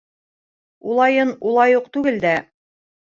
— Улайын улай уҡ түгел дә.